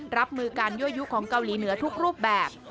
รับมือการยั่วยุของเกาหลีเหนือทุกรูปแบบ